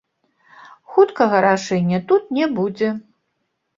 Хуткага рашэння тут не будзе.